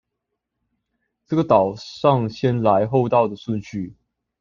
這個島上先來後到的順序